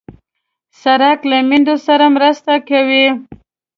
سړک له میندو سره مرسته کوي.